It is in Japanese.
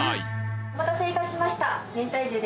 お待たせいたしました。